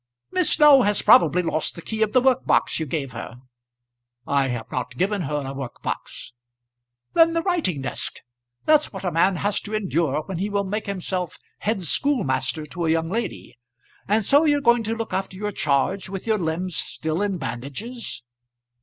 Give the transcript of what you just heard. "Miss Snow has probably lost the key of the workbox you gave her." "I have not given her a workbox." "Then the writing desk. That's what a man has to endure when he will make himself head schoolmaster to a young lady. And so you're going to look after your charge with your limbs still in bandages?"